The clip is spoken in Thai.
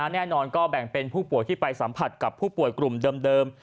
แน่นอนก็แบ่งเป็นผู้ป่วยที่ไปสัมผัสกับผู้ป่วยกลุ่มเดิม